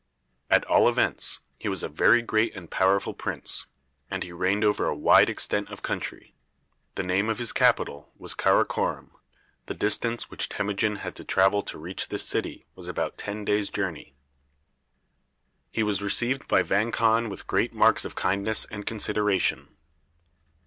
At all events, he was a very great and powerful prince, and he reigned over a wide extent of country. The name of his capital was Karakorom. The distance which Temujin had to travel to reach this city was about ten days' journey. He was received by Vang Khan with great marks of kindness and consideration.